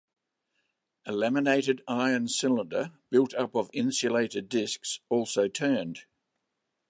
A laminated iron cylinder built up of insulated disks also turned.